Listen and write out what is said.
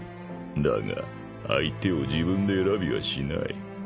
だが相手を自分で選びはしない。